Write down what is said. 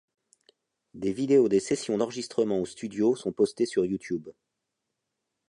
Des vidéos des sessions d'enregistrement au studio sont postés sur YouTube.